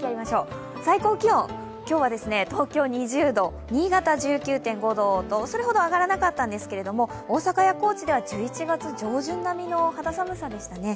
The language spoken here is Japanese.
最高気温、今日は東京２０度、新潟１９．５度とそれほど上がらなかったんですけれども大阪や高知では、１１月上旬並みの肌寒さでしたね。